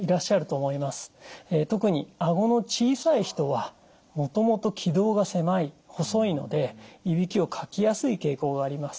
特にあごの小さい人はもともと気道が狭い細いのでいびきをかきやすい傾向があります。